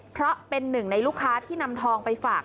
เพราะเป็นหนึ่งในลูกค้าที่นำทองไปฝาก